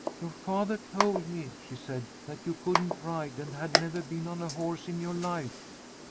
"Your father told me," she said, "that you couldn't ride and had never been on a horse in your life."